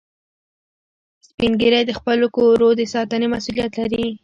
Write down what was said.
سپین ږیری د خپلو کورو د ساتنې مسئولیت لري